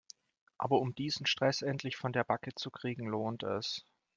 Aber um diesen Stress endlich von der Backe zu kriegen lohnt es.